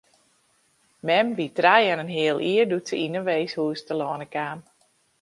Mem wie trije en in heal jier doe't se yn in weeshûs telâne kaam.